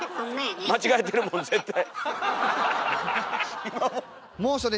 間違えてるもん絶対。